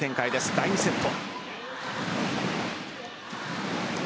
第２セット。